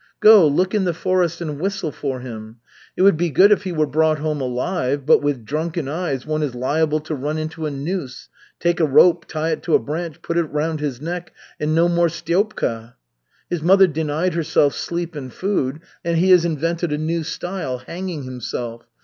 Go, look in the forest and whistle for him. It would be good if he were brought home alive, but with drunken eyes one is liable to run into a noose take a rope, tie it to a branch, put it round his neck, and no more Stiopka. His mother denied herself sleep and food, and he has invented a new style hanging himself.